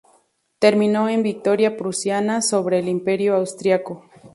Terminó en victoria prusiana sobre el Imperio austríaco.